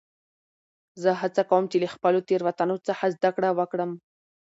زه هڅه کوم، چي له خپلو تیروتنو څخه زدکړم وکړم.